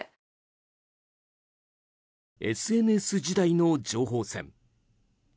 ＳＮＳ時代の情報戦。